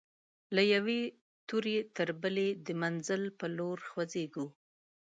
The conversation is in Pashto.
له یوې توري تر بلي د منزل پر لور خوځيږو